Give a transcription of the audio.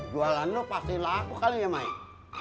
jualan lo pasti laku kali ya main